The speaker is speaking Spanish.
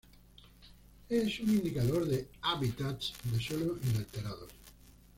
Es un indicador de hábitats de suelo inalterados